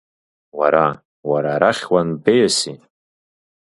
Уара, уара арахь уанбеиаси?